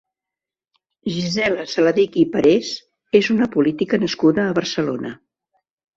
Gisela Saladich i Parés és una política nascuda a Barcelona.